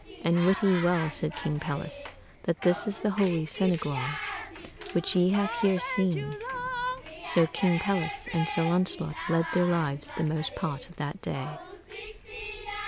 And wit ye well," said King Pelles, "that this is the holy sanegreall which ye have heere seene." So King Pelles and Sir Launcelot led their lives the most part of that day.